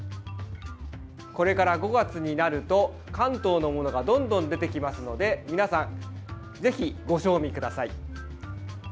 これから５月になると関東のものがどんどん出てきますので皆さん、ぜひご賞味ください。